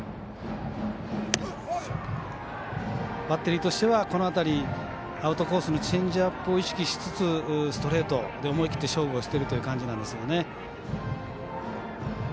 バッテリーしてはこの辺りアウトコースにチェンジアップを意識しつつストレートで思い切って勝負をしてるという感じなんですよね。